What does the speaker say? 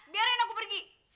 biarkan aku pergi